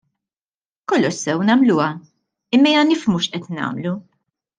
Kollox sew nagħmluha, imma ejja nifhmu x'qed nagħmlu.